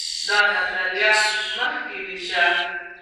د دې نظریې مخه نیسي.